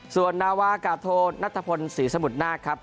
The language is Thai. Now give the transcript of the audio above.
ส่วนนาวากาโทนัทพลศรีสมุทรนาคครับ